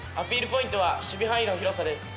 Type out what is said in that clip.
ポイントは守備範囲の広さです。